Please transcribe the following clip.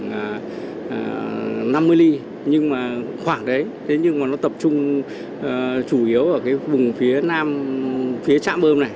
là năm mươi ly nhưng mà khoảng đấy thế nhưng mà nó tập trung chủ yếu ở cái vùng phía nam phía trạm bơm này